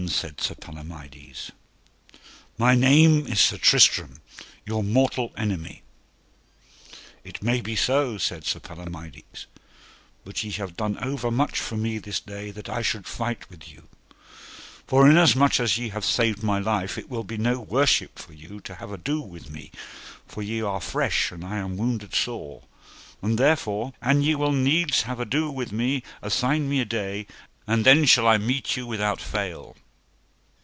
said Sir Palomides. My name is Sir Tristram, your mortal enemy. It may be so, said Sir Palomides; but ye have done over much for me this day that I should fight with you; for inasmuch as ye have saved my life it will be no worship for you to have ado with me, for ye are fresh and I am wounded sore, and therefore, an ye will needs have ado with me, assign me a day and then I shall meet with you without fail.